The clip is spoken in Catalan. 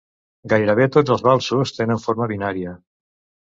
Gairebé tots els valsos tenen forma binària.